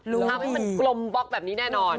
รู้นะคะมันกลมแบบนี้แน่นอน